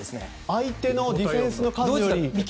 相手のディフェンスの数より。